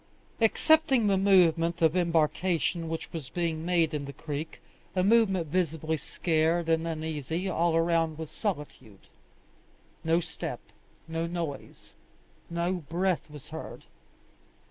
Excepting the movement of embarkation which was being made in the creek, a movement visibly scared and uneasy, all around was solitude; no step, no noise, no breath was heard.